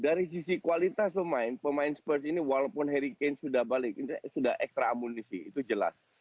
dari sisi kualitas pemain pemain spurs ini walaupun harry kane sudah balik sudah ekstra amunisi itu jelas